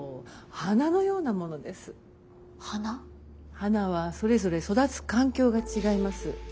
花はそれぞれ育つ環境が違います。